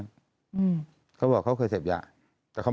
แต่ได้ยินจากคนอื่นแต่ได้ยินจากคนอื่น